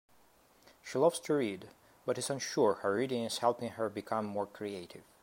She loves to read, but is unsure how reading is helping her become more creative.